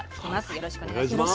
よろしくお願いします。